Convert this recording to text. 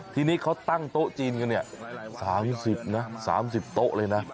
ทีนี้เขาตั้งโต๊ะจีนกันเนี่ย๓๐นะ๓๐โต๊ะเลยนะ